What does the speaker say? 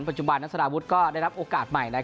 ปัจจุบันนักศนาบุธก็ได้รับโอกาสใหม่